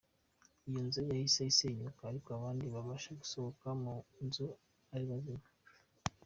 Iyo nzu yahise isenyuka ariko abandi babasha gusohoka mu nzu ari bazima.